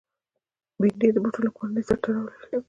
بېنډۍ د بوټو له کورنۍ سره تړاو لري